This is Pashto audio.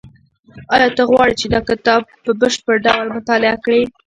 ایا ته غواړې چې دا کتاب په بشپړ ډول مطالعه کړې؟